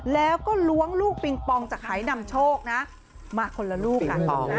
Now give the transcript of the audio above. แล้วก็ล้วงลูกปิงปองจากหายนำโชคนะมาคนละลูกกัน